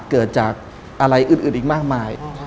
เกิดจากอะไรอื่นอีกมากมาย